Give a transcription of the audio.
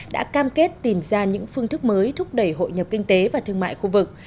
đã cam kết tìm ra những phương thức mới thúc đẩy hội nhập kinh tế và thương mại khu vực